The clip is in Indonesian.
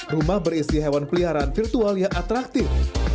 rumah berisi hewan peliharaan virtual yang atraktif